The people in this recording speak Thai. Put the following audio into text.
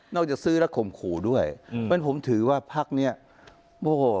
นอกจากซื้อรักขมขู่ด้วยเพราะฉะนั้นผมถือว่าภักดิ์เนี้ยโอ้โห